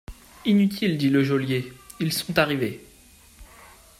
Inutile, dit le geôlier, ils sont arrivés.